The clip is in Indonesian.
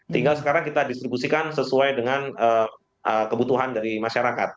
tinggal sekarang kita distribusikan sesuai dengan kebutuhan dari masyarakat